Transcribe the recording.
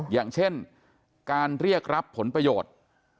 อย่างเช่นการเรียกรับผลประโยชน์